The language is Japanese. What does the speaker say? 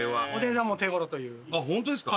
ホントですか？